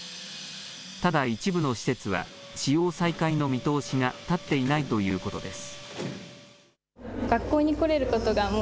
ただ一部の施設は使用再開の見通しが立っていないということです。